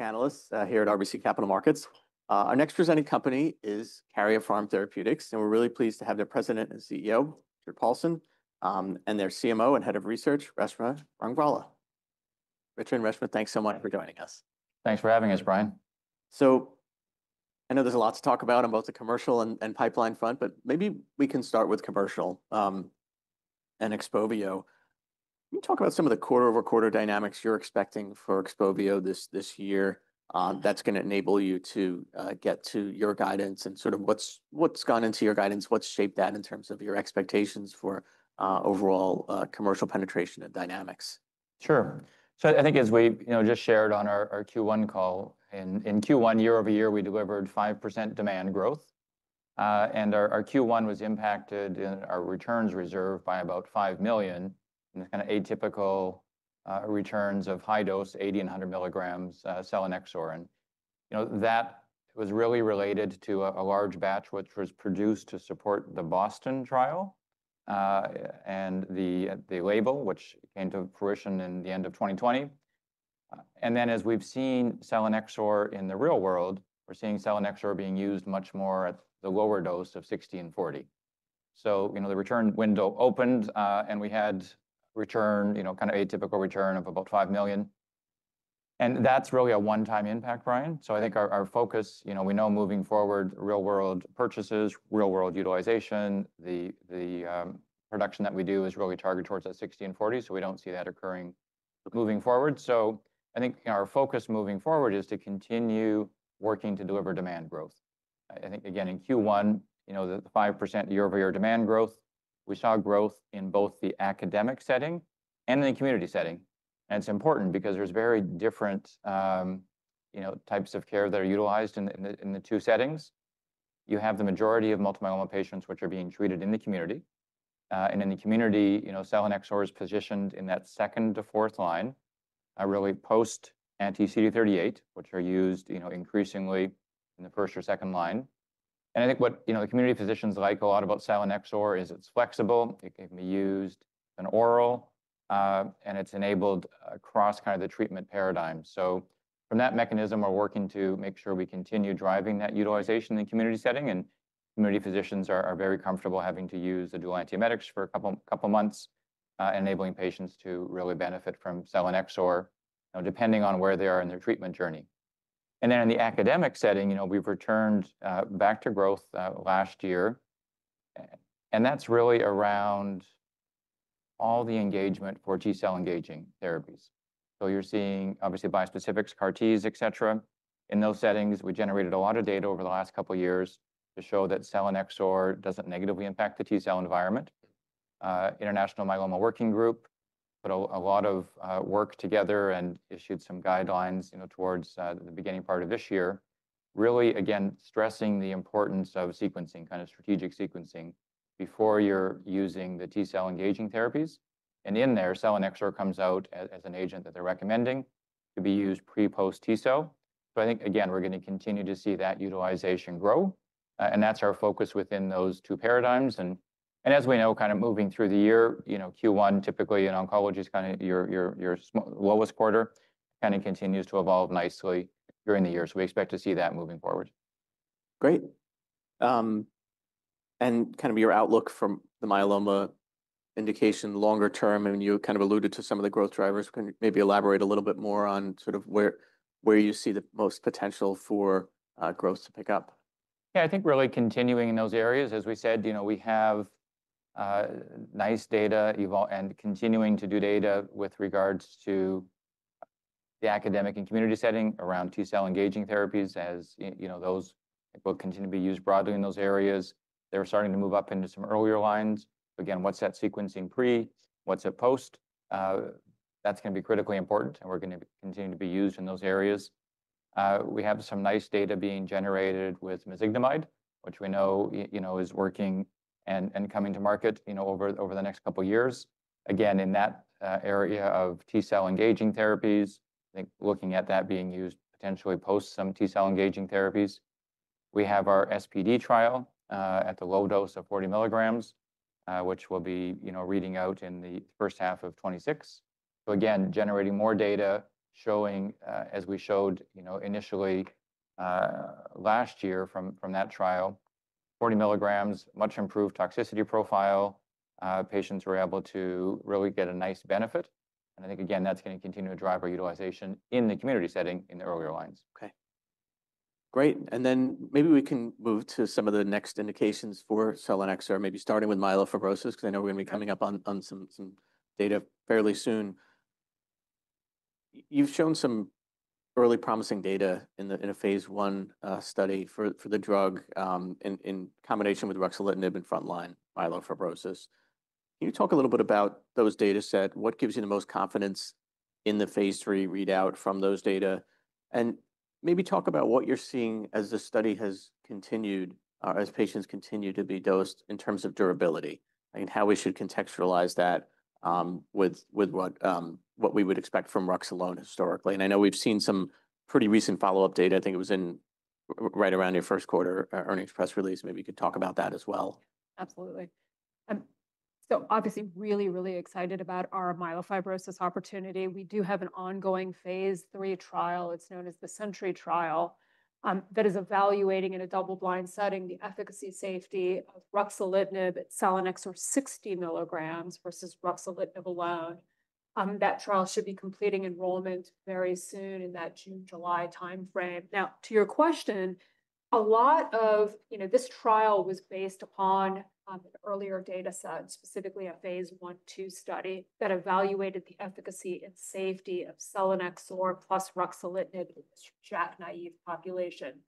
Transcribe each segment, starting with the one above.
Analyst here at RBC Capital Markets. Our next presenting company is Karyopharm Therapeutics, and we're really pleased to have their President and CEO, Richard Paulson, and their CMO and Head of Research, Reshma Rangwala. Richard and Reshma, thanks so much for joining us. Thanks for having us, Brian. I know there's a lot to talk about on both the commercial and pipeline front, but maybe we can start with commercial and XPOVIO. Can you talk about some of the quarter-over-quarter dynamics you're expecting for XPOVIO this year that's going to enable you to get to your guidance and sort of what's gone into your guidance, what's shaped that in terms of your expectations for overall commercial penetration and dynamics? Sure. I think, as we just shared on our Q1 call, in Q1, year-over-year, we delivered 5% demand growth. Our Q1 was impacted in our returns reserve by about $5 million. It is kind of atypical returns of high dose, 80 and 100 mg selinexor. That was really related to a large batch which was produced to support the BOSTON trial and the label, which came to fruition in the end of 2020. As we have seen selinexor in the real world, we are seeing selinexor being used much more at the lower dose of 60 and 40. The return window opened, and we had a return, kind of atypical return of about $5 million. That is really a one-time impact, Brian. I think our focus, we know moving forward, real-world purchases, real-world utilization, the production that we do is really targeted towards that 60 and 40. We do not see that occurring moving forward. I think our focus moving forward is to continue working to deliver demand growth. I think, again, in Q1, the 5% year-over-year demand growth, we saw growth in both the academic setting and in the community setting. It is important because there are very different types of care that are utilized in the two settings. You have the majority of multiple myeloma patients which are being treated in the community. In the community, selinexor is positioned in that second to fourth line, really post anti-CD38, which are used increasingly in the first or second line. I think what the community physicians like a lot about selinexor is it is flexible. It can be used an oral, and it's enabled across kind of the treatment paradigm. From that mechanism, we're working to make sure we continue driving that utilization in the community setting. Community physicians are very comfortable having to use the dual antiemetics for a couple of months, enabling patients to really benefit from selinexor, depending on where they are in their treatment journey. In the academic setting, we've returned back to growth last year. That's really around all the engagement for T-cell engaging therapies. You're seeing, obviously, bispecifics, CAR-Ts, et cetera. In those settings, we generated a lot of data over the last couple of years to show that selinexor doesn't negatively impact the T-cell environment. International Myeloma Working Group put a lot of work together and issued some guidelines towards the beginning part of this year, really, again, stressing the importance of sequencing, kind of strategic sequencing before you're using the T-cell engaging therapies. And in there, selinexor comes out as an agent that they're recommending to be used pre-post T-cell. I think, again, we're going to continue to see that utilization grow. That's our focus within those two paradigms. As we know, kind of moving through the year, Q1, typically in oncology, is kind of your lowest quarter, kind of continues to evolve nicely during the year. We expect to see that moving forward. Great. Your outlook from the myeloma indication longer term, and you kind of alluded to some of the growth drivers. Can you maybe elaborate a little bit more on sort of where you see the most potential for growth to pick up? Yeah, I think really continuing in those areas. As we said, we have nice data and continuing to do data with regards to the academic and community setting around T-cell engaging therapies as those will continue to be used broadly in those areas. They're starting to move up into some earlier lines. Again, what's that sequencing pre? What's it post? That's going to be critically important, and we're going to continue to be used in those areas. We have some nice data being generated with mezigdomide, which we know is working and coming to market over the next couple of years. Again, in that area of T-cell engaging therapies, looking at that being used potentially post some T-cell engaging therapies. We have our SPD trial at the low dose of 40 mg, which we'll be reading out in the first half of 2026. Again, generating more data showing, as we showed initially last year from that trial, 40 mg, much improved toxicity profile. Patients were able to really get a nice benefit. I think, again, that's going to continue to drive our utilization in the community setting in the earlier lines. Okay. Great. Maybe we can move to some of the next indications for selinexor, maybe starting with myelofibrosis, because I know we're going to be coming up on some data fairly soon. You've shown some really promising data in a phase I study for the drug in combination with ruxolitinib in frontline myelofibrosis. Can you talk a little bit about those data sets? What gives you the most confidence in the phase III readout from those data? Maybe talk about what you're seeing as the study has continued, as patients continue to be dosed in terms of durability, and how we should contextualize that with what we would expect from ruxolitinib historically. I know we've seen some pretty recent follow-up data. I think it was right around your first quarter earnings press release. Maybe you could talk about that as well. Absolutely. Obviously, really, really excited about our myelofibrosis opportunity. We do have an ongoing phase III trial. It is known as the SENTRY trial that is evaluating in a double-blind setting the efficacy and safety of ruxolitinib and selinexor 60 mg versus ruxolitinib alone. That trial should be completing enrollment very soon in that June-July timeframe. Now, to your question, a lot of this trial was based upon an earlier data set, specifically a phase I/II study that evaluated the efficacy and safety of selinexor plus ruxolitinib in this JAK-naive population.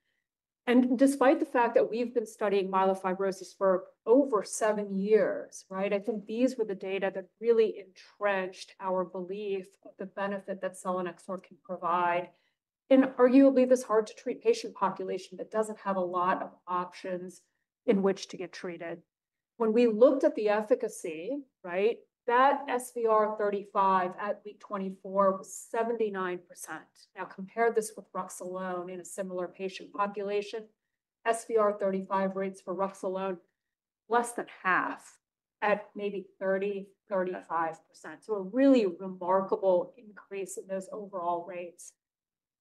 Despite the fact that we have been studying myelofibrosis for over seven years, I think these were the data that really entrenched our belief of the benefit that selinexor can provide in arguably this hard-to-treat patient population that does not have a lot of options in which to get treated. When we looked at the efficacy, that SVR35 at week 24 was 79%. Now, compare this with ruxolitinib in a similar patient population. SVR35 rates for ruxolitinib less than half at maybe 30%-35%. So a really remarkable increase in those overall rates.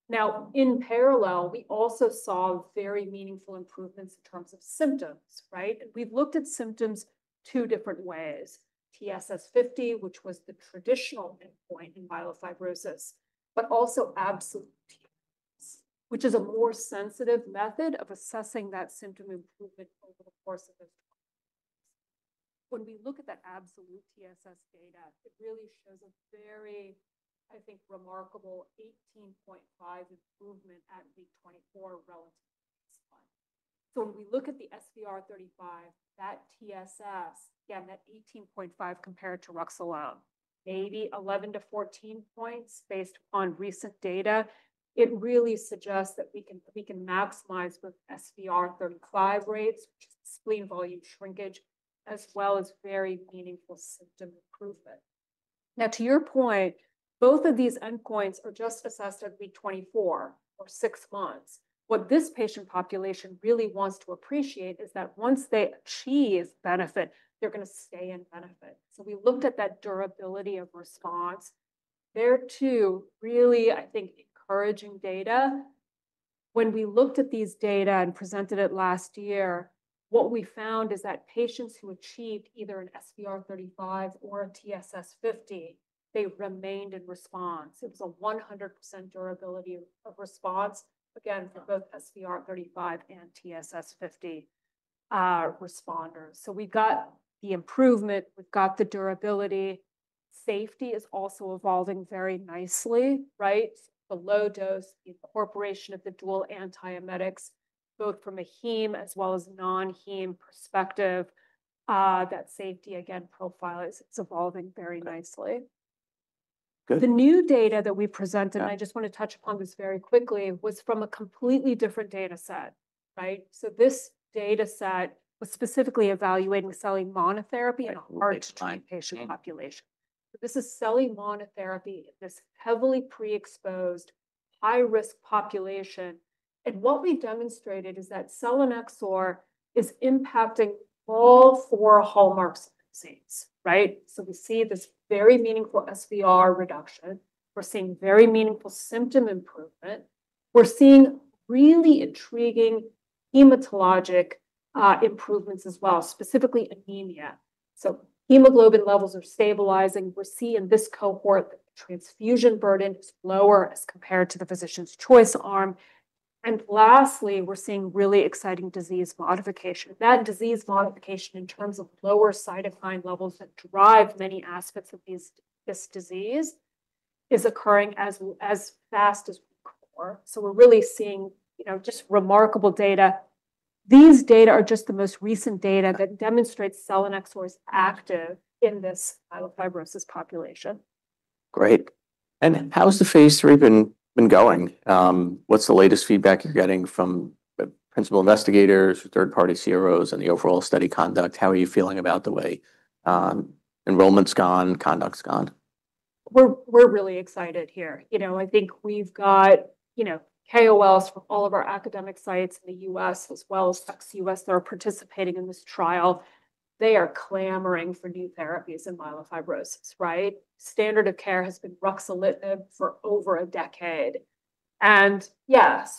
Now, in parallel, we also saw very meaningful improvements in terms of symptoms. We've looked at symptoms two different ways. TSS50, which was the traditional endpoint in myelofibrosis, but also Absolute TSS, which is a more sensitive method of assessing that symptom improvement over the course of those 24 weeks. When we look at that Absolute TSS data, it really shows a very, I think, remarkable 18.5 improvement at week 24 relative to baseline. When we look at the SVR35, that TSS, again, that 18.5 compared to ruxolitinib, maybe 11-14 points based on recent data, it really suggests that we can maximize both SVR35 rates, which is spleen volume shrinkage, as well as very meaningful symptom improvement. Now, to your point, both of these endpoints are just assessed at week 24 or six months. What this patient population really wants to appreciate is that once they achieve benefit, they're going to stay in benefit. We looked at that durability of response. There, too, really, I think, encouraging data. When we looked at these data and presented it last year, what we found is that patients who achieved either an SVR35 or a TSS50, they remained in response. It was a 100% durability of response, again, for both SVR35 and TSS50 responders. We got the improvement. We've got the durability. Safety is also evolving very nicely. The low dose incorporation of the dual antiemetics, both from a heme as well as non-heme perspective, that safety, again, profile is evolving very nicely. The new data that we presented, and I just want to touch upon this very quickly, was from a completely different data set. So this data set was specifically evaluating selinexor monotherapy in a large patient population. This is selinexor monotherapy in this heavily pre-exposed, high-risk population. What we demonstrated is that selinexor is impacting all four hallmarks of disease. We see this very meaningful SVR reduction. We're seeing very meaningful symptom improvement. We're seeing really intriguing hematologic improvements as well, specifically anemia. Hemoglobin levels are stabilizing. We're seeing in this cohort that the transfusion burden is lower as compared to the physician's choice arm. Lastly, we're seeing really exciting disease modification. That disease modification in terms of lower cytokine levels that drive many aspects of this disease is occurring as fast as we recall. We are really seeing just remarkable data. These data are just the most recent data that demonstrates selinexor is active in this myelofibrosis population. Great. How has the phase III been going? What's the latest feedback you're getting from principal investigators, third-party CROs, and the overall study conduct? How are you feeling about the way enrollment's gone, conduct's gone? We're really excited here. I think we've got KOLs from all of our academic sites in the U.S., as well as ex-U.S. that are participating in this trial. They are clamoring for new therapies in myelofibrosis. Standard of care has been ruxolitinib for over a decade. Yes,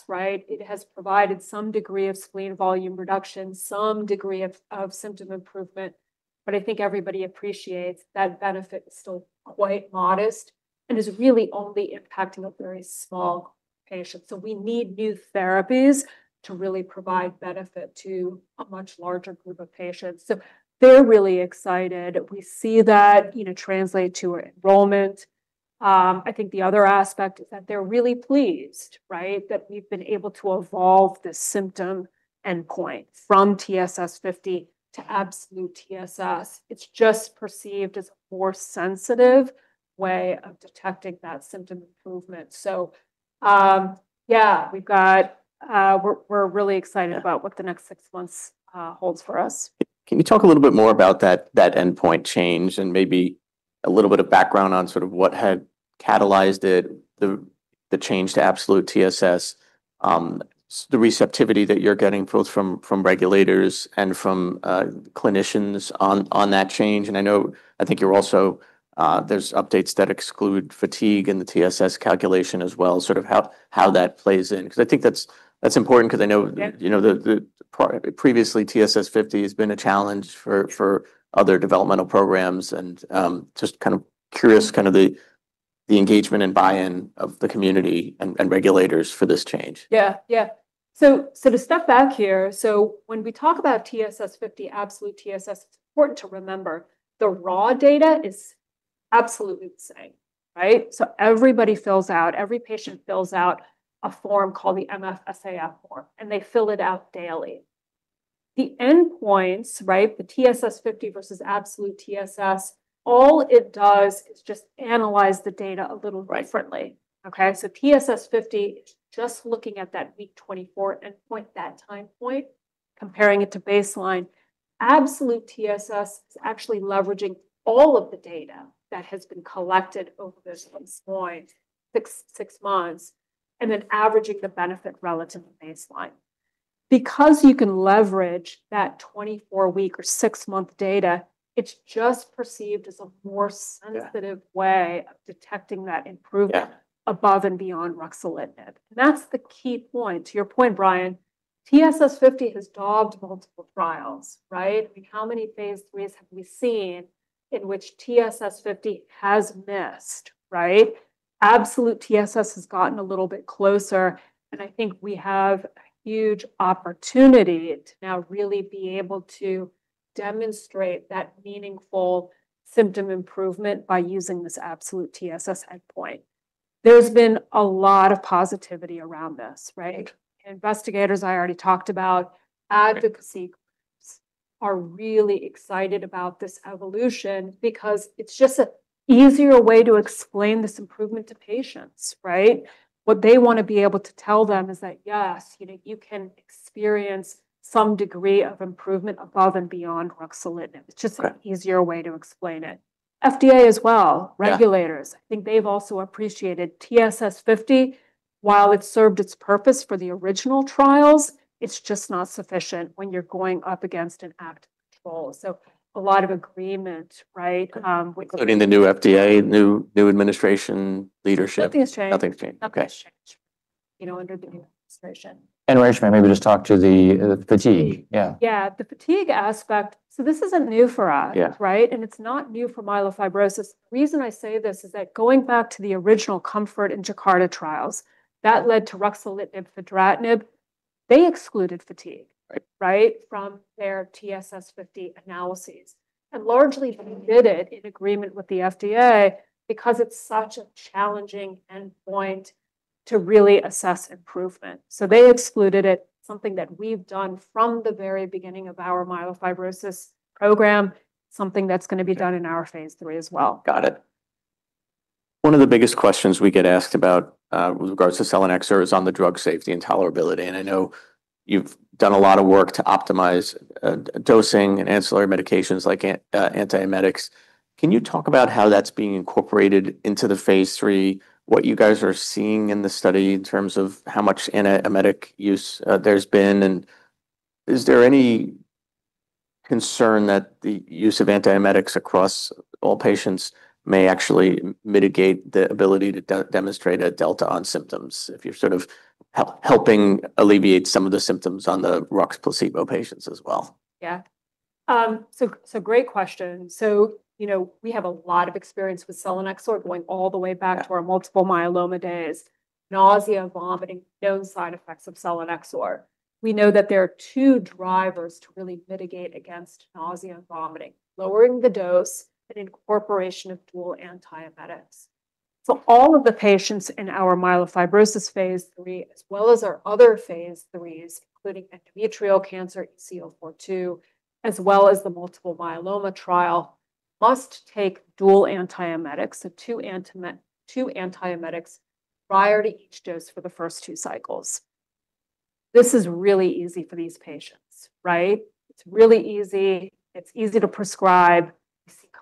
it has provided some degree of spleen volume reduction, some degree of symptom improvement. I think everybody appreciates that benefit is still quite modest and is really only impacting a very small group of patients. We need new therapies to really provide benefit to a much larger group of patients. They're really excited. We see that translate to enrollment. I think the other aspect is that they're really pleased that we've been able to evolve this symptom endpoint from TSS50 to absolute TSS. It's just perceived as a more sensitive way of detecting that symptom improvement. Yeah, we're really excited about what the next six months holds for us. Can you talk a little bit more about that endpoint change and maybe a little bit of background on sort of what had catalyzed the change to Absolute TSS, the receptivity that you're getting both from regulators and from clinicians on that change? I think you're also, there's updates that exclude fatigue in the TSS calculation as well, sort of how that plays in. I think that's important because I know previously TSS50 has been a challenge for other developmental programs. Just kind of curious, kind of the engagement and buy-in of the community and regulators for this change. Yeah, yeah. To step back here, when we talk about TSS50, Absolute TSS, it's important to remember the raw data is absolutely the same. Everybody fills out, every patient fills out a form called the MFSAF form, and they fill it out daily. The endpoints, the TSS50 versus Absolute TSS, all it does is just analyze the data a little differently. TSS50 is just looking at that week 24 endpoint, that time point, comparing it to baseline. Absolute TSS is actually leveraging all of the data that has been collected over this point, six months, and then averaging the benefit relative to baseline. Because you can leverage that 24-week or six-month data, it's just perceived as a more sensitive way of detecting that improvement above and beyond ruxolitinib. That's the key point. To your point, Brian, TSS50 has dogged multiple trials. How many phase IIIs have we seen in which TSS50 has missed? Absolute TSS has gotten a little bit closer. I think we have a huge opportunity to now really be able to demonstrate that meaningful symptom improvement by using this Absolute TSS endpoint. There's been a lot of positivity around this. Investigators, I already talked about, advocacy groups are really excited about this evolution because it's just an easier way to explain this improvement to patients. What they want to be able to tell them is that, yes, you can experience some degree of improvement above and beyond ruxolitinib. It's just an easier way to explain it. FDA as well, regulators, I think they've also appreciated TSS50. While it served its purpose for the original trials, it's just not sufficient when you're going up against an active control. A lot of agreement. Including the new FDA, new administration leadership? Nothing's changed. Nothing's changed. Nothing's changed under the administration. Reshma, maybe just talk to the fatigue. Yeah. Yeah, the fatigue aspect. This isn't new for us. It's not new for myelofibrosis. The reason I say this is that going back to the original COMFORT and JAKARTA trials that led to ruxolitinib, fedratinib, they excluded fatigue from their TSS50 analyses. Largely, they did it in agreement with the FDA because it's such a challenging endpoint to really assess improvement. They excluded it. Something that we've done from the very beginning of our myelofibrosis program, something that's going to be done in our phase III as well. Got it. One of the biggest questions we get asked about with regards to selinexor is on the drug safety and tolerability. I know you've done a lot of work to optimize dosing and ancillary medications like antiemetics. Can you talk about how that's being incorporated into the phase III, what you guys are seeing in the study in terms of how much antiemetic use there's been? Is there any concern that the use of antiemetics across all patients may actually mitigate the ability to demonstrate a delta on symptoms if you're sort of helping alleviate some of the symptoms on the ruxolitinib placebo patients as well? Yeah. Great question. We have a lot of experience with selinexor going all the way back to our multiple myeloma days, nausea, vomiting, no side effects of selinexor. We know that there are two drivers to really mitigate against nausea and vomiting, lowering the dose and incorporation of dual antiemetics. All of the patients in our myelofibrosis phase III, as well as our other phase IIIs, including endometrial cancer, EC-042, as well as the multiple myeloma trial, must take dual antiemetics, so two antiemetics prior to each dose for the first two cycles. This is really easy for these patients. It is really easy. It is easy to prescribe.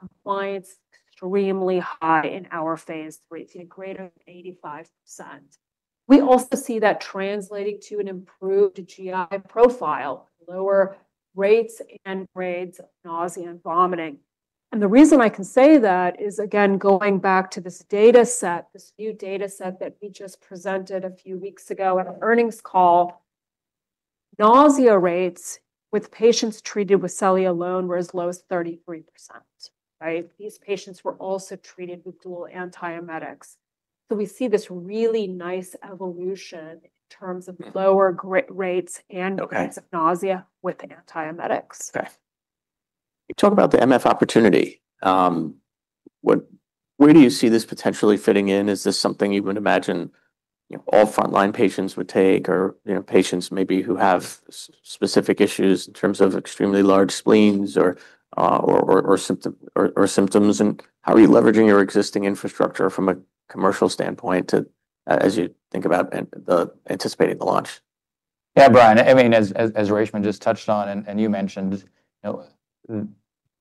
We see compliance extremely high in our phase III. It is greater than 85%. We also see that translating to an improved GI profile, lower rates and grades of nausea and vomiting. The reason I can say that is, again, going back to this data set, this new data set that we just presented a few weeks ago at our earnings call, nausea rates with patients treated with selinexor alone were as low as 33%. These patients were also treated with dual antiemetics. We see this really nice evolution in terms of lower rates and rates of nausea with antiemetics. Okay. You talk about the MF opportunity. Where do you see this potentially fitting in? Is this something you would imagine all frontline patients would take or patients maybe who have specific issues in terms of extremely large spleens or symptoms? How are you leveraging your existing infrastructure from a commercial standpoint as you think about anticipating the launch? Yeah, Brian, I mean, as Reshma just touched on and you mentioned,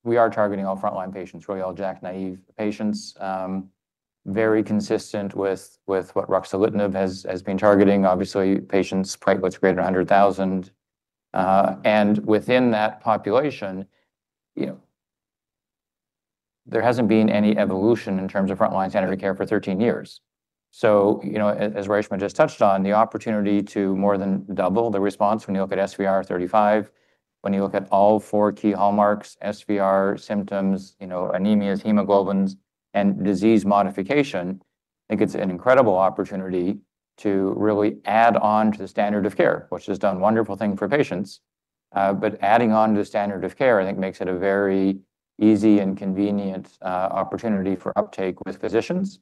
we are targeting all frontline patients, really all JAK-naive patients, very consistent with what ruxolitinib has been targeting, obviously, patients with greater than 100,000. Within that population, there has not been any evolution in terms of frontline standard of care for 13 years. As Reshma just touched on, the opportunity to more than double the response when you look at SVR35, when you look at all four key hallmarks, SVR, symptoms, anemia, hemoglobin, and disease modification, I think it's an incredible opportunity to really add on to the standard of care, which has done wonderful things for patients. Adding on to the standard of care, I think, makes it a very easy and convenient opportunity for uptake with physicians.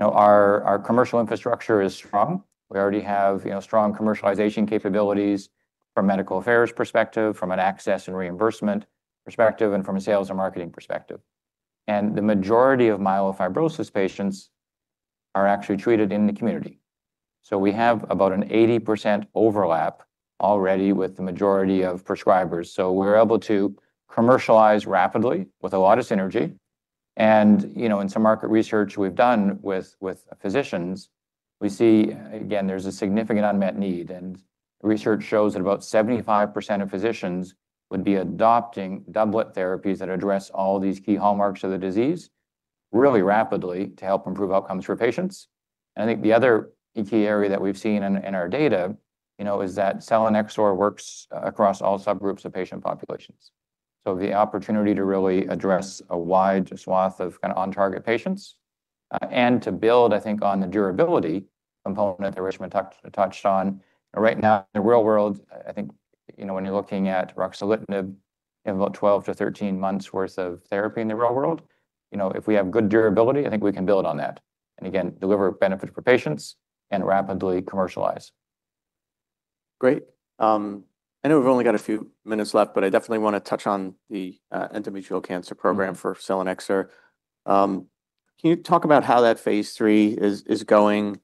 Our commercial infrastructure is strong. We already have strong commercialization capabilities from a medical affairs perspective, from an access and reimbursement perspective, and from a sales and marketing perspective. The majority of myelofibrosis patients are actually treated in the community. We have about an 80% overlap already with the majority of prescribers. We are able to commercialize rapidly with a lot of synergy. In some market research we've done with physicians, we see, again, there's a significant unmet need. Research shows that about 75% of physicians would be adopting doublet therapies that address all these key hallmarks of the disease really rapidly to help improve outcomes for patients. I think the other key area that we've seen in our data is that selinexor works across all subgroups of patient populations. The opportunity to really address a wide swath of kind of on-target patients and to build, I think, on the durability component that Rachel touched on. Right now, in the real world, I think when you're looking at ruxolitinib, you have about 12-13 months' worth of therapy in the real world. If we have good durability, I think we can build on that and, again, deliver benefits for patients and rapidly commercialize. Great. I know we've only got a few minutes left, but I definitely want to touch on the endometrial cancer program for selinexor. Can you talk about how that phase III is going,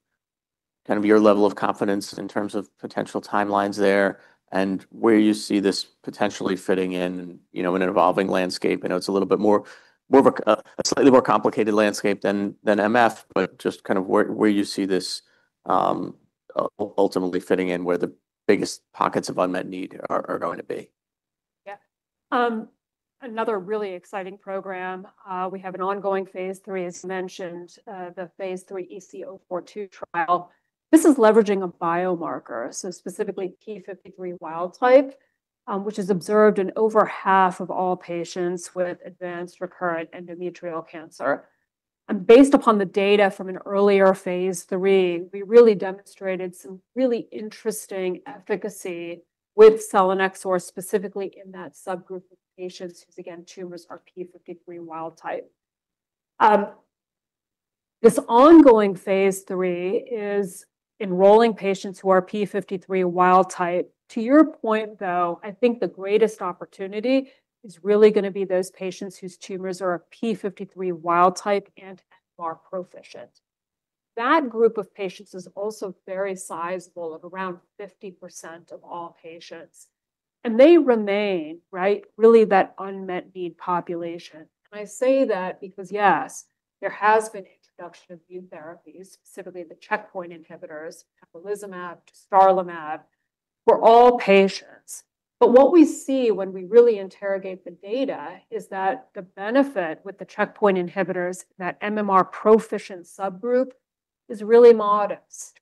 kind of your level of confidence in terms of potential timelines there and where you see this potentially fitting in an evolving landscape? I know it's a little bit more of a slightly more complicated landscape than MF, but just kind of where you see this ultimately fitting in, where the biggest pockets of unmet need are going to be. Yeah. Another really exciting program we have, an ongoing phase III, as mentioned, the phase III EC-042 trial. This is leveraging a biomarker, so specifically TP53 wild-type, which is observed in over half of all patients with advanced recurrent endometrial cancer. Based upon the data from an earlier phase III, we really demonstrated some really interesting efficacy with selinexor, specifically in that subgroup of patients whose, again, tumors are TP53 wild-type. This ongoing phase III is enrolling patients who are TP53 wild-type. To your point, though, I think the greatest opportunity is really going to be those patients whose tumors are TP53 wild-type and are proficient. That group of patients is also very sizable, of around 50% of all patients. They remain really that unmet need population. I say that because, yes, there has been introduction of new therapies, specifically the checkpoint inhibitors, pembrolizumab, dostarlimab, for all patients. What we see when we really interrogate the data is that the benefit with the checkpoint inhibitors, that MMR proficient subgroup, is really modest.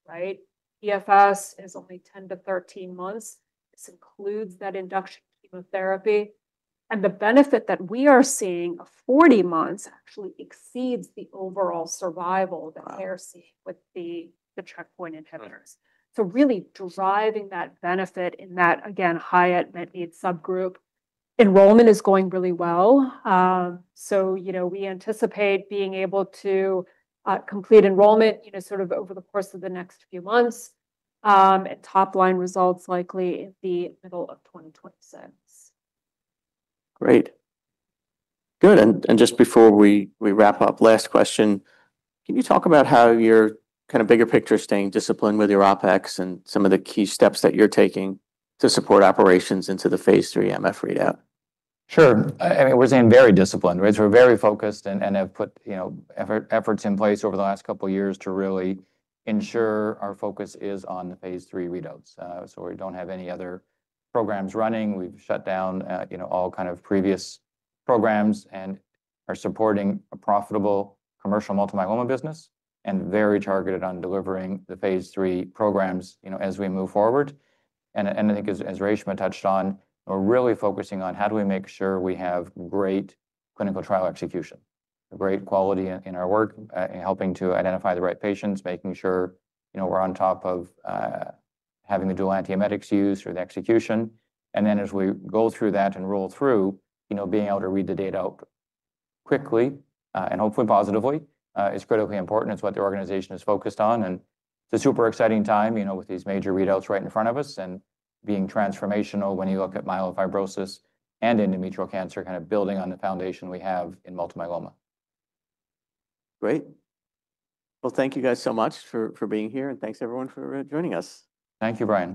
EFS is only 10-13 months. This includes that induction chemotherapy. The benefit that we are seeing of 40 months actually exceeds the overall survival that they're seeing with the checkpoint inhibitors. Really driving that benefit in that, again, high at-need subgroup, enrollment is going really well. We anticipate being able to complete enrollment sort of over the course of the next few months and top-line results likely in the middle of 2026. Great. Good. Just before we wrap up, last question. Can you talk about how your kind of bigger picture is staying disciplined with your OpEx and some of the key steps that you're taking to support operations into the phase III MF readout? Sure. I mean, we're staying very disciplined. We're very focused and have put efforts in place over the last couple of years to really ensure our focus is on the phase III readouts. We don't have any other programs running. We've shut down all kind of previous programs and are supporting a profitable commercial multiple myeloma business and very targeted on delivering the phase III programs as we move forward. I think, as Reshma touched on, we're really focusing on how do we make sure we have great clinical trial execution, great quality in our work, helping to identify the right patients, making sure we're on top of having the dual antiemetics used through the execution. As we go through that and roll through, being able to read the data out quickly and hopefully positively is critically important. It's what the organization is focused on. It is a super exciting time with these major readouts right in front of us and being transformational when you look at myelofibrosis and endometrial cancer, kind of building on the foundation we have in multiple myeloma. Great. Thank you guys so much for being here. Thank you, everyone, for joining us. Thank you, Brian.